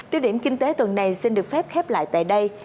tiêu điểm kinh tế tuần này xin được phép khép lại tại đây